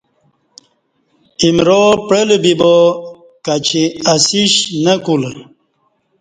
ایمرا پعلہ بیبا کچی اسیش نہ کو لہ